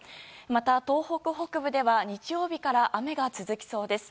また、東北北部では日曜日から雨が続きそうです。